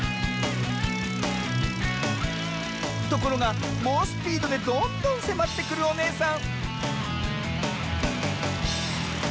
ところがもうスピードでどんどんせまってくるおねえさん